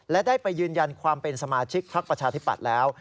และได้ไปยืนยันความเป็นสมาชิกพักประชาธิปัตย์แล้ว